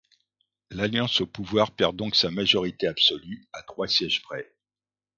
L'alliance au pouvoir perd donc sa majorité absolue, à trois sièges près.